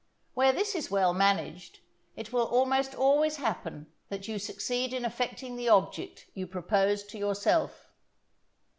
Where this is well managed, it will almost always happen that you succeed in effecting the object you propose to yourself.